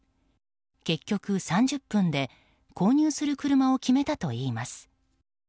結局３０分で購入する車を決めたといいます。